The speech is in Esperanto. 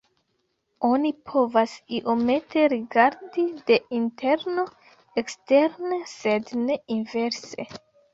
Oni povas iomete rigardi de interno eksteren sed ne inverse.